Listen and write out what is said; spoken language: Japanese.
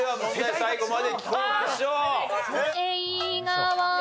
最後まで聞きましょう。